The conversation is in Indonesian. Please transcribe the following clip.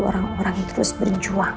orang orang yang terus berjuang